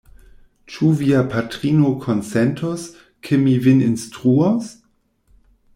Ĉu via patrino konsentos, ke mi vin instruos?